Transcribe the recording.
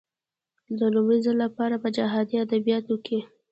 د لومړي ځل لپاره په جهادي ادبياتو کې.